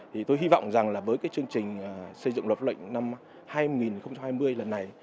thì tôi hy vọng rằng là với cái chương trình xây dựng luật lệnh năm hai nghìn hai mươi lần này